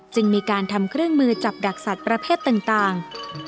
จึงมีการทำเครื่องมือจับดักสัตว์ประเภทต่าง